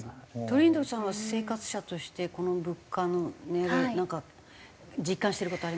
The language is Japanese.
トリンドルさんは生活者としてこの物価の値上がりなんか実感してる事ありますか？